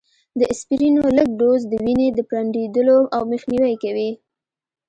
د اسپرينو لږ ډوز، د وینې د پرنډېدلو مخنیوی کوي